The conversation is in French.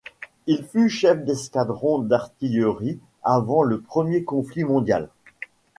Il fut chef d'escadron d'artillerie avant le premier conflit mondial.